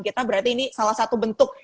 kita berarti ini salah satu bentuk